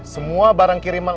semua barang kiriman